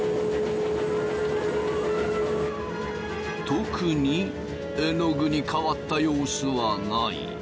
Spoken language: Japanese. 特にえのぐに変わった様子はない。